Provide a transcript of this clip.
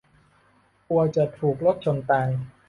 กลัวจะถูกรถชนตาย